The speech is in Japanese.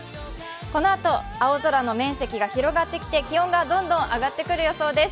このあと青空の面積も広がってきて気温がどんどん上がってくる予想です。